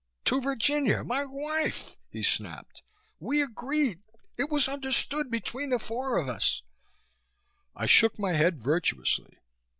"To Virginia, my wife!" he snapped. "We agreed it was understood between the four of us " I shook my head virtuously.